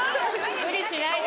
無理しないで。